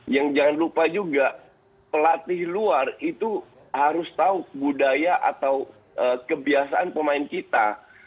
yang jangan lupa juga pelatih luar itu harus tahu budaya atau kebiasaan pemain kita